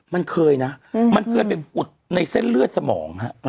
มันเคยนะมันเคยไปอุดในเส้นเลือดสมองฮะ